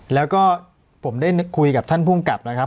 แล้วก็ผมได้คุยกับท่านภูมิกับนะครับ